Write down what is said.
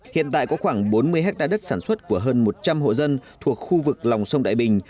hiện tại có khoảng bốn mươi hectare đất sản xuất của hơn một trăm linh hộ dân thuộc khu vực lòng sông đại bình